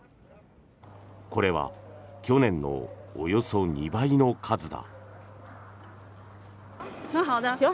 これは去年のおよそ２倍の数だ。